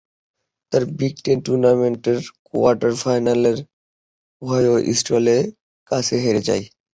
তারা big ten টুর্নামেন্টের quarter ফাইনালে ওহাইও স্টেটের কাছে হেরে যায়।